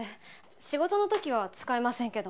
仕事の時は使いませんけど。